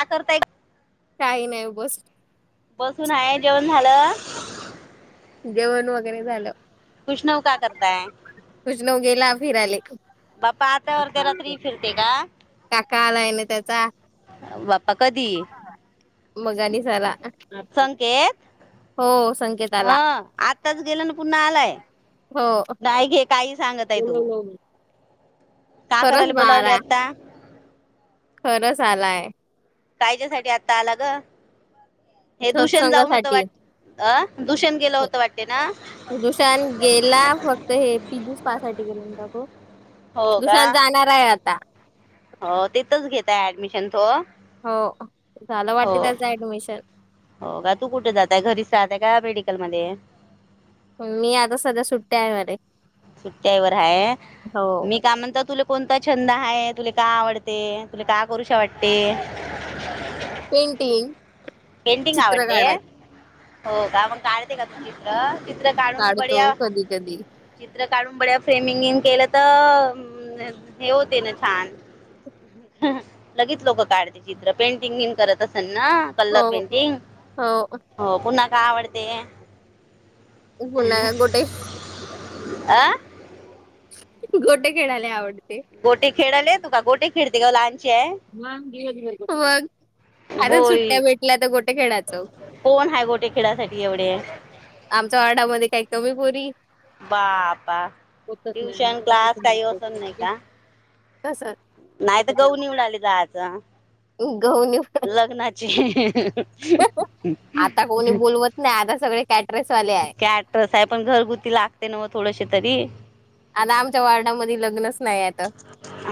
का करताईत काही नाही बस बसून हाय. जेवणं झालं? जेवण वगैरे झालं. उष्नव का करताय? उष्नव गेला फिराले. बाप्पा आत अर्ध्यारात्री फिरते का? काका आलाय ना बाप्पा कधी हाय, हा हा मग आणि झाला. अं आत्ताच गेलाय अन् पुन्हा आलाय, हो नाही ते. काही सांगत, आहे तू [unintelligible] का खरंच करायला बोलावले आता? खरंस आलाय. कायच्यासाठी आत्ता आला ग? हे दूषण जाऊन होतं सत्संगासाठी. वाट अ दूषण गेलं होतं वाटते ना व्हय दुशान गेला फक्त हे पी जी पास साठी गेलं, त्या बघ, हो का? हा जाणार हाय आता. हो तेिथंच घेताय ऍडमिशन तो? हो झालं हो वाटत त्याचं ऍडमिशन. हो का! तू कुठे जाताय घरीच जाताय का मेडिकल मध्ये? मी आता सध्या सुट्टया वर आहे! सुट्यावर आहे. हो मी का म्हणंत तुला कोणता छंद आहे? तुला का आवडते? तुला का करू शा वाटते? पेंटिंग. पेंटिंग चित्र आवडते! काढत हो का मग, काढते का हो का चित्र काढून काढतो बढिया, कधी कधी चित्र काढून बड्या फ्रेमिंग केलं तर, हे होते ना छान, लगेच लोकं काढते चित्र, पेंटिंग बिन करत असेल ना? कलर हो पेंटिंग, हो हो पुन्हा का आवडते? पुन्हा गोटे अं गोट्या खेळाला आवडते. गोठे खेळले आहे त का गोटे खेळते का लहान! म बघ आजच बोई सुट्ट्या भेटल्या तर गोट्या खेळाचं! कोण हाय गोटे खेळासाठी एवढे? आमच्या वाडामध्ये काही कमी पोरी. बाबा ट्युशन क्लास काही असत नाही का? कसं, नाहीतर गहू निवडाले जायचं! गहून लग्नाची, आता कोणी बोलवत नाही आता सगळे काय, क्याक्टर्स आहे पण घरगुती लागते ना मग थोडसे तरी? आता आमच्या वॉर्डा मध्ये लग्नच नाही आहेत.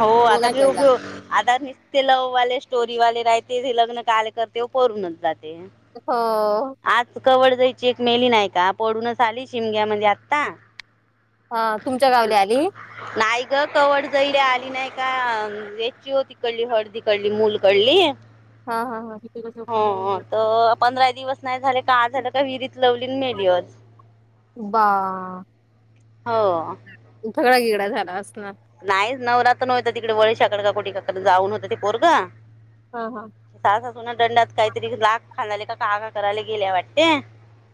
हो आता घेऊ घेऊ आता आणि. ते लव्हवाले स्टोरी वाले राहते ज लग्न कार्य करते व पळून जाते. हो, आज कवड जायची एक मेली नाहीय का पडूनच आली शिमग्या म्हणजे आता! हा तुमच्या गावली आली. नाही ग कवड जाईला आली नाही का याची होती कडली हळदी, कली मूल करली हा हा हा [unintelligible] तर पंधरा दिवस नाही झाले का आ झालं का विहिरीत लवली मेलीअज बाप हो झगडा बिगडा झाला असणार नाही नवरा नव्हत तिकडे वळीशाकड का काकडे जाऊन होते ते पोरगं हा हा सासा सुना दंडात काहीतरी लाग खानाले का काग करायला गेल्या वाटते?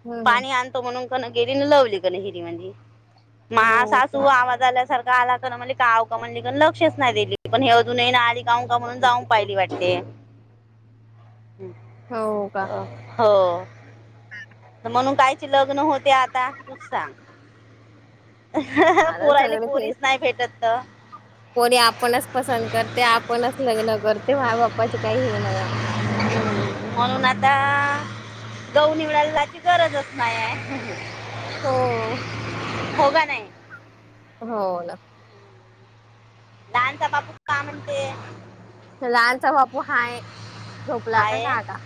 हम्म हम् पाणी आणतो म्हणून कण गेली लवली कण हिरी मधी मा हो का? सासू आवाज आवाज आलाय सारखा आला की नाही मले आव कान म्हणली लक्षच नाही. दिली पण हे अजू नाही आली. जाऊ का म्हणून जाऊन पाहिली वाटते. हो हम् [unintelligible] म्हणून कायची लग्न होते आता तूच सांग [unintelligible] आता पोरायले पोरीच नाही भेटत तर पोरी आपणच पसंत करते. आपणच लग्न करते. माय बाप्पाचे काही हे नाही. [unintelligible] म्हणून आता गहू निवडायची जायची गरजच नाही आहे [unintelligible] हो हो का नाही. हो ना लहान चा बापू का म्हणते? लहानचा बापू हाय झोपला का काय आता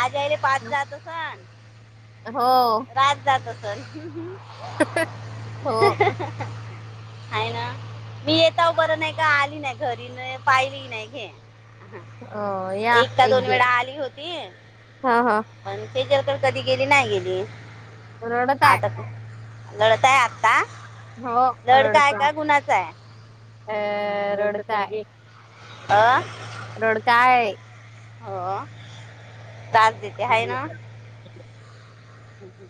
आज्यायले पाच जात सण हो काय जात असन [unintelligible] हो आहे ना मी येताऊ बरं नाही का आली घरी नाही पाहिली नाही घे अ, या एकदा एक दोन वेळा दिवस आली होती हा हा पण तेच्या तर कधी गेली नाही गेली रडत आहे आता लढतय आता हो रडत लडकय आहे का गुणाच आहे. [unintelligible] अ रोडत आहे. आं रोड काय. होओ त्रास देते हाय ना. थक्यू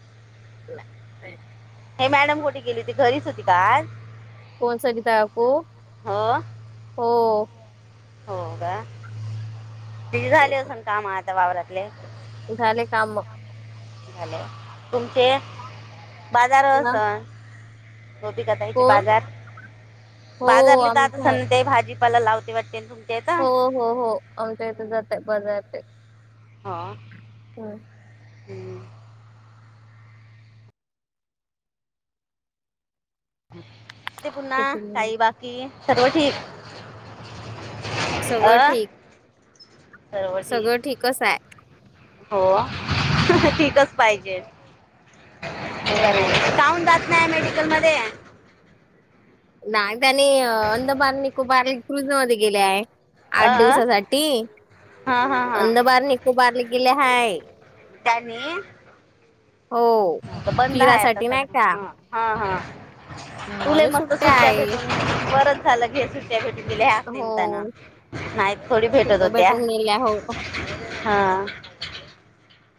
नाय ते हे मॅडम कुठे गेली होती घरीच होती काय? कोण सरिता काकू हो हो का? तिचे झाले असून काम आता वावरातले झाले काम झाल तुमचे बाजार हा, असन गोपिका ताई चे कोण बाजार हो बाजारले आता आमच्या सन ते भाजी मला लावते वाटते ना तुम्च्याचा हो हो हो आमच्या इथे जातंय बाजारचे हा होम [unintelligible] हम्म ते पुन्हा किती मिनिट काई बाकी सर्व ठीक. सगळं अ ठीक. सर्व ठीक, सगळं ठीकच आहे हो ठीकच पाहिजे. हो काऊन जात ना मेडिकल मध्ये. नाही त्यानी आंदबार निकुबार क्रुझ मध्ये गेले आहे. आठ अ दिवसासाठी हा हा अंधबार निकोबारले गेले हाय. त्यांनी. हो. बंद आहे आता फिरासाठी नाही का सगळं. हा हा तुले म्हणून मस्त सुट्ट्या आहे भेटत बरं झालं घे सुट्ट्या त्यानी दिल्या त्या हो निमतान नाही थोडी भेटत सुट्ट्या होत्या. भेटून गेल्या हो हा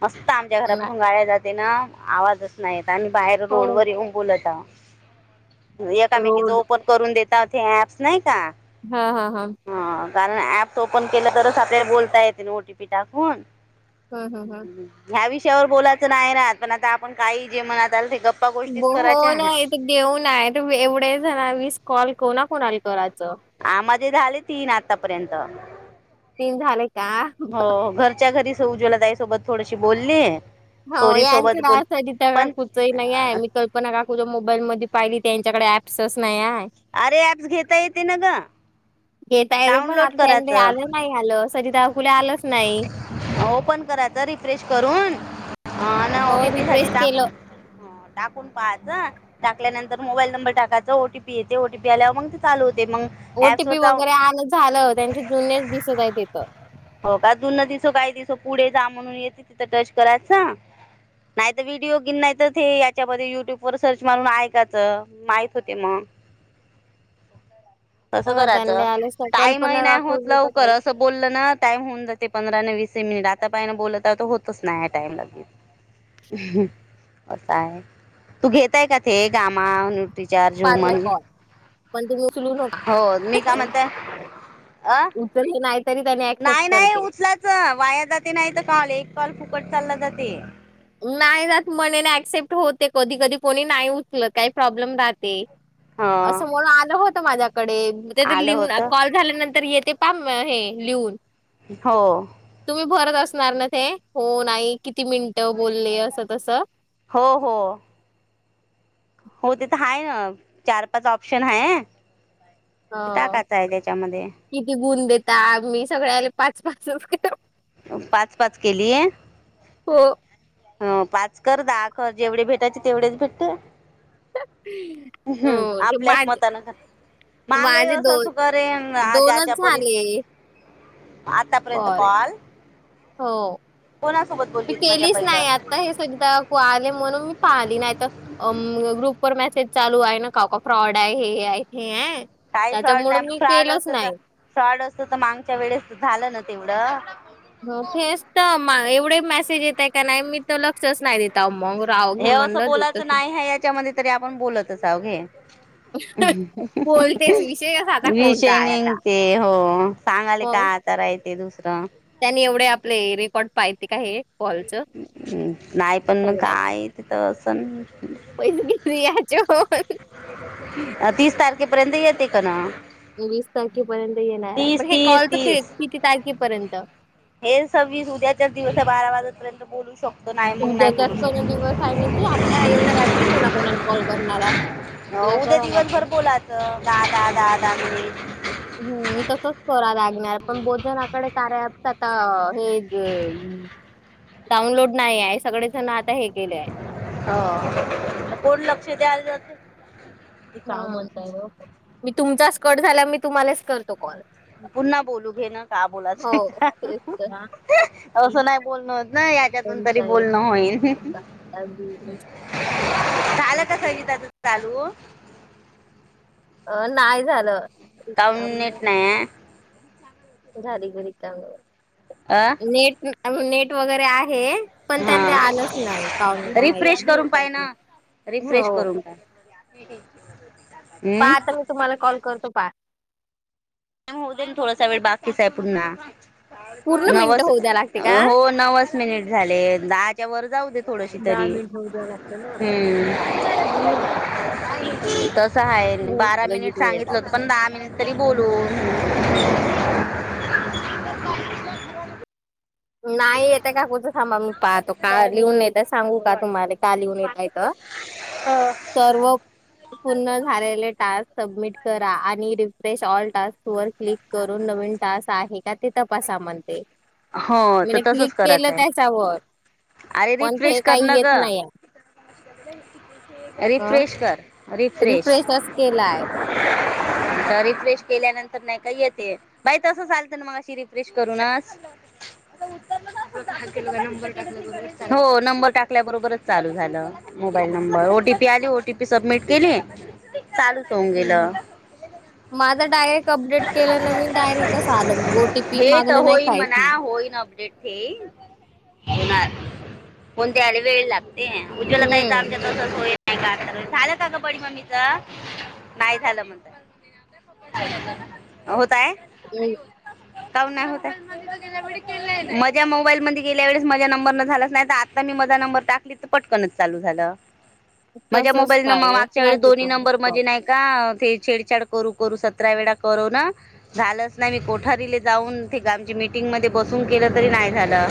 मस्त आमच्या ना- घरापासून गाड्या जाते ना आवाजच नाहीत आम्ही बाहेर हो रोडवर येऊ बोलत हा एकामेकीच रोड ओपन करून दता हे ऍप्स नाही का. हा हा हा हा कारण ऍप ओपन केलं तरच आपल्या बोलता येते ना ओ टीपी टाकून. हं हम्म हं ह्या विषयावर बोलायचं नाही ना पण आता आपण काही जे म्हणत आलं ते गप्पा गोष्टीच करायच्या आहे. देऊन आहे एवढे जणानी वीस कॉल कोना कोणाला करायचं. अं माझे झाले तीन आतापर्यंत. तीन झाले का हो घरच्या घरी स उज्वला ताईसोबत थोडीशी बोलली. हो सोरी यांच सोबत का बोल सरीता पण काकूंच नाही आहे क पण का कु ज्या मोबाईल मध्ये पाहिली त्या त्यांच्याकडे ऍप्सच नाही आहे. अरे ऍप्स घेता येते ना ग घेता येते पण डाऊनलोड आता त्यांनी करायचं. आलं नाही आलं सरिता कुल्या आलंच नाही. ओपन करायच रिफ्रेश करून. हा न हो ओ टी पी साठी रिफ्रेश टाकून, केलं. टाकून पाहायचं. टाकल्यानंतर मोबाईल नंबर टाकायचा ओटीपी येते ओटीपी आल्यावर मग ते चालू होते मग. ॲप्सवर ओटीपी जाऊ वगैरे आलं झालं त्यांचे जुन्याच दिसत आहे तिथं. हो का जुन दिसत आहे काही दिवस पुढे जा म्हणून येते तिथं टच करायचं. नाहीत व्हिडिओ गिन नाही तर हे याच्यामध्ये युट्यूब व सर्च मारून ऐकायचं. माहित होते मग. तसं अ करायचं त्यां आलं स कल्पना काकू होतच आहेत. [inaudible] बोलल ना टाइम होऊन जाते पंधरा न वीस मिनिट आता पाहिन बोलत होतच नाही टाइम लगेच. असं आहे, तू घेतय का ते कामा ति चार जव पाच म्हन कॉल पण तुम्ही उचलू नका. हो मी काय म्हणताय [inaudible] अहं [unintelligible] नाही तरी पहीले ऍक्सेप्ट कर. वाया जाते नाही तर काल एक काल फुकट चालला जाते. नाही जात म्हणे एक्सेपेक्ट होते कधी कधी कोणी नाही उचल काही प्रॉब्लेम राहते. ह असं म्हणून आलं होत माझ्याकडे त्या आलं लिहून होत कॉल झाल्यानंतर येते पा हे लिहून, हों. तुम्ही भरत असणार नां ते हो नायी किती मिनिटं बोलले असं तसं? हों हों. हों तिथं हायं नां चार पाच ऑप्शन हायं ते ह टाकायचंय त्याच्यामध्ये. किती गुण देता मी सगळ्या पाच पाच [unintelligible] पाच पाच केलि? हो. हं पाच कर दहा कर जेवढे भेटायचे तेवढेच भेटतें. [inaudible] उहुं ते आपल्याच माझ मतानं मांगाई माझे असं दोन सु करे अं दोनच ज्याच्या परी झाले आता पर्यंत कॉल? हों कोणासोबत मी बोलली होती माझ्या केलीच पहिलं नाय आ त्या हें सु [inaudible] काकू आले म्हणून मी पण आली नाही त अमं ग्रुप वर मेसेज चालूयं नां कावकाव फ्रॉडयं हें तेंयं. कायी फ्रॉड नाही फ्रॉड असतं तर फ्रॉड असतं तर मागच्या वेळेस झालं ना तेवढं. हं तेच तर मां एवढे मेसेज येतय का नायी मी तर लक्षच नाही देता मग राव. घे हे असं म्हणलं देतच बोलायचं बोलतेच नाही हाय याच्यामध्ये तरी आपण बोलतच हवं घे. विषयच [unintelligible] आता कोणता विषय आहे आता निंगते हों सांगाली का? खरायं तें दुसरं. त्यांनी एवढे आपले रेकॉर्ड पाहतें कां हें? हुं नायी पण मग काय तिथं असंन पैस कितीयाहचें हों [unintelligible] अं तीस तारखेपर्यंत येते कन. हे वीस तारखेपर्यंत येणारयं पण हे तीस कॉलच के तीस किती तारखेपर्यंत? हे सव्वीस उद्याच्या दिवसयं बारा वाजेपर्यंत बोलू शकतो. नाही मग उद्या नाही चा बोलू पर्यंत जास्त दिवस हाय ने की आता एवढ्या रात्री कोणा कोणाला कॉल करणारात. उद्या दिवसभर बोलाच दां दां दां दहा मिनिटं. हुं तसंच करां लागणार पण भोजनाकडे कार्याॲपचा आता हे ज डाऊनलोड नायीहाय सगळे जण आता हे केलेयं. हों म कोण लक्ष द्यायला जातेयं. कां म्हणतां वो मी तुमचांच कट झाला मी तुम्हालांच करतो कॉल? पुन्हा बोलू घेन का हो बोलाचं तेच तर हा [unintelligible] असं नाही बोलणं होत नायी याच्यातून तरी कोणता बोलणं होईल. आहे झालं [inaudible] [inaudible] चालू अं नायी झालं. काहून रिकामं नेट नायायं. जारी बरी का म अं नेट अहो नेट वगैरे आहे. पण त्यांना हा आलंच नायी पावणं का रिफ्रेश करून पाय माहीत ना [inaudible] हों. फिट येतीये म्हणजे पाहा आत्ता मी तुम्हाला कॉल करतो पाहा. [inaudible] थोडसा वेळ बाकीच आहे पुन्हा पूर्ण मिनिटं नवस होऊ द्या लागते का? हों नवस मिनिट झाले दहा च्या वर जाऊ दे थोडशी तरी हम्म पहा. हो. तस आहे बारा लगेच मिनिट वेळ सांगितलं होतं लागते पण दहा मिनिट तरी बोलू नाही येते काकुच थांबा मी पाहतो लिहून येत सांगू का तुम्हाला का लिहून येत. हो [inaudible] पूर्ण झालेले टास्क सबमिट करा आणि रिफ्रेश ऑल टास्क वर क्लिक करून नवीन टास्क आहे का ते तपासा म्हणते. हो तर म्हणजे तसच क्लिक केलं करायचं आहे त्याच्यावर अरे पण रिफ्रेश ते कर काही ना येत ग नाही आहे रिफ्रेश कर रिफ्रेश रिफ्रेशच [inaudible] रिफ्रेश केल्यानंतर नाही का येते बाई तसं चालतं ना मग अशी रिफ्रेश करूनस [inaudible] हो नंबर टाकल्याबरोबरच चालू झाल मोबाईल नंबर ओटीपी आली ओटीपी सबमिट केली चालूच होऊन हम्म गेलं हम्म. माझं डायरेक्ट अपडेट केलं ना मी डायरेक्ट कसं आलं मग ओटीपी हे तर मागलं नाही होईल काहीच म्हणा नाही. होई ना अपडेट ते होणार पण त्याले वेळ लागत [inaudible] हम्म तसच होईल नाही का झालं का ग बडी ममीच नाही झालं म्हणत होत आहे हम कामून नाही होत माझ्या मोबाईल मध्ये गेल्या वेळेस माझ्या नंबर न झालाच नाही आता मी माझा नंबर टाकली पटकन चालू झाल माझ्या तसच मोबाईल न काय मागच्या असणार वेळेस ते दोन्ही कोणी नंबर म मधी नाही का ते छेडछाड करू करू ते सतरा वेळा करू ना झालंच नाही मी कोठारीले जाऊन ठिकाणची मिट मिटींग मध्ये बसून केलं तरी नाही झालं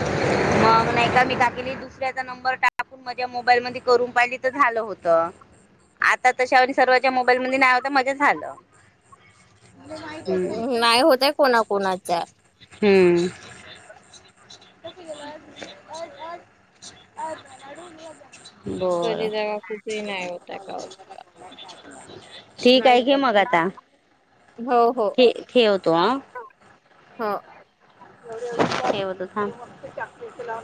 मग नाही का मी काली दुसऱ्याचा नंबर टाकून माझ्या मोबाईल म करून पाहिली तर झालं होत. आता तशावर सर्वांच्या मोबाईल मध्ये नाही होता माझ्या झालं हम्म नाही होतय कोणाकोणाच्या हम् [unintelligible] बरं तोरी कुठही नाही होता. [unintelligible] ठीक आहे घे मग आता हो हो ठेवतो अ हो ठेवतो थांब